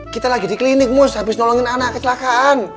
kita lagi di klinik mus habis nolongin anak kecelakaan